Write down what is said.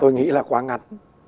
tôi nghĩ là quá ngắn